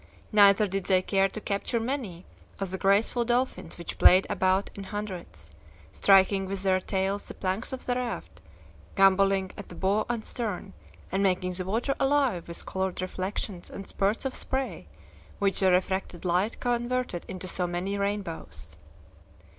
Neither did they care to capture many of the graceful dolphins which played about in hundreds, striking with their tails the planks of the raft, gamboling at the bow and stern, and making the water alive with colored reflections and spurts of spray, which the refracted light converted into so many rainbows.